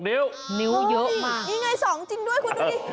นี่ไง๒จริงด้วยคุณดูดิ